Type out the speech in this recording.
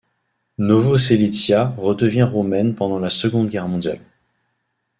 Novosselytsia redevient roumaine pendant la Seconde Guerre mondiale.